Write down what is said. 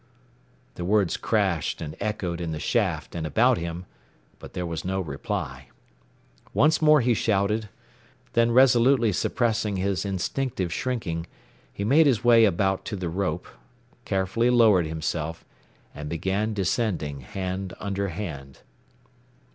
The words crashed and echoed in the shaft and about him, but there was no reply. Once more he shouted, then resolutely suppressing his instinctive shrinking, he made his way about to the rope, carefully lowered himself, and began descending hand under hand.